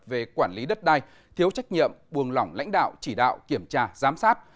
về quản lý đất đai thiếu trách nhiệm buồng lỏng lãnh đạo chỉ đạo kiểm tra giám sát